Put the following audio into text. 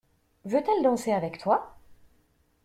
Veut-elle danser avec toi?